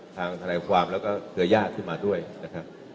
สักที